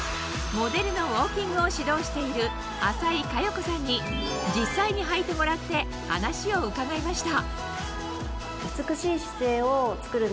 モデルのウォーキングを指導している浅井香葉子さんに実際にはいてもらって話を伺いました